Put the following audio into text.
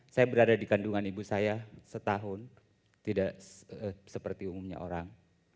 saya berada di kandungan ibu saya setahun tidak seperti umumnya orang